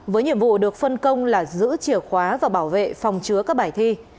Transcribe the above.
với nhiệm vụ được phân công là giữ chìa khóa và bảo vệ phòng chứa các bài thi